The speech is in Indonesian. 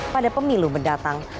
pada pemilu mendatang